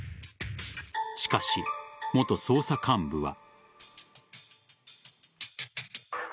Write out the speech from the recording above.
しかし、元捜査幹部は。